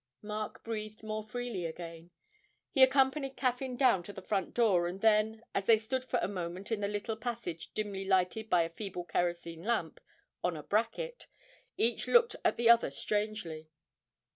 Mark breathed more freely again. He accompanied Caffyn down to the front door, and then, as they stood for a moment in the little passage dimly lighted by a feeble kerosene lamp on a bracket, each looked at the other strangely.